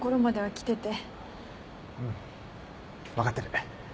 うん。分かってる。